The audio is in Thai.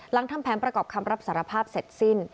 ทำแผนประกอบคำรับสารภาพเสร็จสิ้น